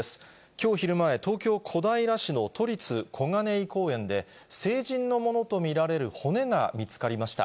きょう昼前、東京・小平市の都立小金井公園で、成人のものと見られる骨が見つかりました。